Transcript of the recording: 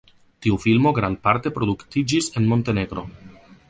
Tiu filmo grandparte produktiĝis en Montenegro.